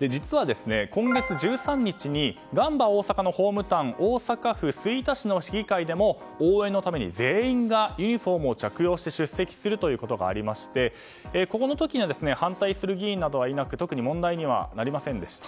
実は今月１３日にガンバ大阪のホームタウン大阪府吹田市の市議会でも応援のために全員がユニホームを着用して出席するということがありましてこの時には反対する議員などはいなく特に問題にはなりませんでした。